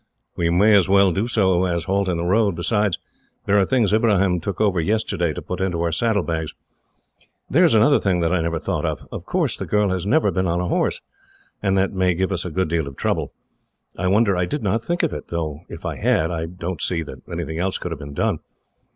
"We may as well do so as halt in the road. Besides, there are the things Ibrahim took over yesterday, to put into our saddlebags. There is another thing that I never thought of. Of course, the girl has never been on a horse, and that may give us a good deal of trouble. I wonder I did not think of it, though if I had, I don't see that anything else could have been done.